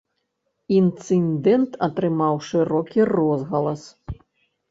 Інцыдэнт атрымаў шырокі розгалас.